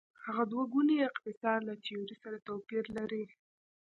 هغه دوه ګونی اقتصاد له تیورۍ سره توپیر لري.